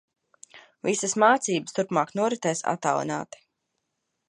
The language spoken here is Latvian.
Visas mācības turpmāk noritēs attālināti.